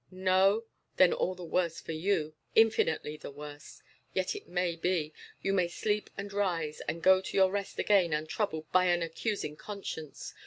"No? Then all the worse for you infinitely the worse. Yet it may be. You may sleep and rise, and go to your rest again untroubled by an accusing conscience.